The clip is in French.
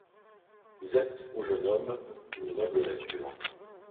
Vous êtes, ô jeune homme, une noble nature